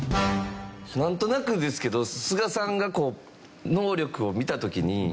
なんとなくですけど菅さんがこう能力を見た時に。